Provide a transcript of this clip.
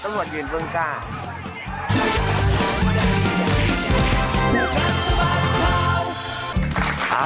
สมัทยืนทุนกล้า